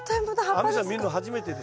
亜美さん見るの初めてですかね？